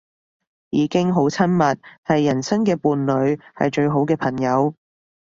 已經好親密，係人生嘅伴侶，係最好嘅朋友